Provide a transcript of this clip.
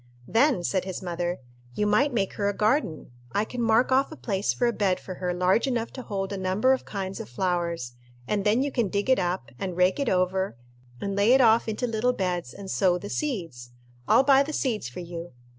"Then," said his mother, "you might make her a garden. I can mark off a place for a bed for her large enough to hold a number of kinds of flowers, and then you can dig it up, and rake it over, and lay it off into little beds, and sow the seeds. I'll buy the seeds for you.